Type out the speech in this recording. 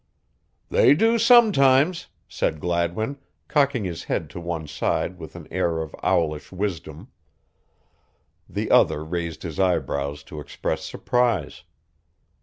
"They do sometimes," said Gladwin, cocking his head to one side with an air of owlish wisdom. The other raised his eyebrows to express surprise.